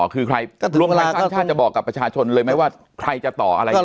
รวมกับทั้งชาติจะบอกกับประชาชนเลยไหมว่าใครจะต่ออะไรกัน